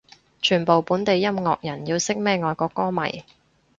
全部本地音樂人要識咩外國歌迷